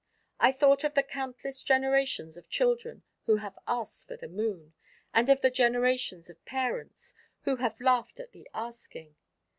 I thought of the countless generations of children who have asked for the Moon, and of the generations of parents who have laughed at the asking.